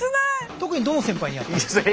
特にどの先輩にやったんですか？